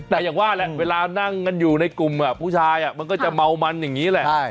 แต่อย่างว่าแหละเวลานั่งกันอยู่ในกลุ่มผู้ชายมันก็จะเมามันอย่างนี้แหละ